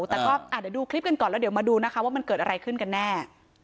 แต่ก็เดี๋ยวดูคลิปกันก่อนแล้วเดี๋ยวมาดูนะคะว่ามันเกิดอะไรขึ้นกันแน่